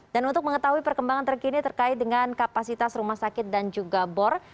untuk mengetahui perkembangan terkini terkait dengan kapasitas rumah sakit dan juga bor